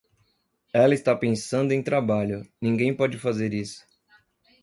Ela está pensando em trabalho, ninguém pode fazer isso.